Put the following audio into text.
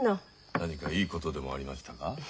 何かいいことでもありましたか？